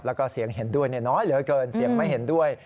แล้วก็เสียงเห็นด้วยน้อยเหลือเกินเสียงไม่เห็นด้วย